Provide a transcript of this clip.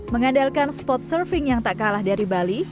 mengandalkan spot surfing yang tak kalah dari bali